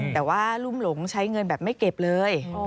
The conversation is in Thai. แต่ว่ารุ่มหลงใช้เงินแบบไม่เก็บเลย